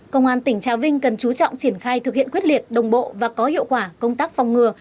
công an tỉnh trà vinh cần chú trọng triển khai thực hiện quyết liệt đồng bộ và có hiệu quả công tác phòng ngừa